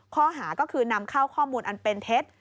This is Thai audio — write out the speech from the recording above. ข้อหาก็คือนำเข้าข้อมูลอันเป็นเท็จ